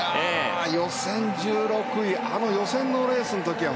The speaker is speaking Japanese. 予選１６位あの予選のレースの時は